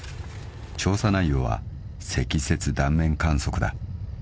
［調査内容は積雪断面観測だ］